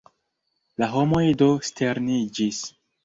La homoj do sterniĝis.